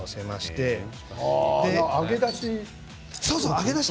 揚げ出し？